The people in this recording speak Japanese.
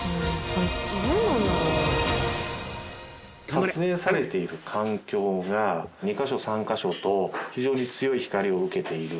撮影されている環境が２カ所３カ所と非常に強い光を受けている。